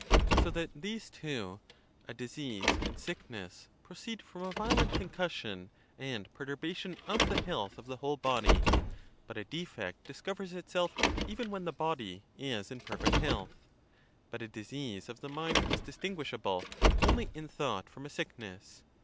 So that these two, a disease and sickness, pro ceed from a violent concussion and perturbation of the health of the whole body; but a defect discovers itself even when the body is in perfect health. But a disease of the mind is distinguishable only in thought from a sick ness.